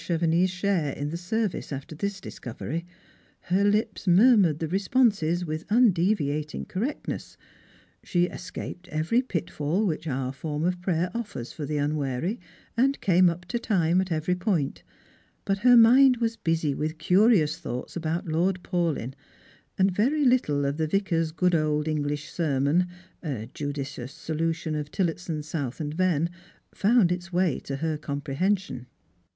Chevenix's share in the service after this discovery. Her lips murmured the responses, with undeviating correctness. She escaped every pitfall which our form of prayer offers for the unwarj^ and came up to time at every point ; but her mind was busy with curious thoughts about Lord Paulyn, and very little of the Yicai"'s good old English sermon — a judicious solution of Tillotson, South, and Venn — found its way to her comprehension.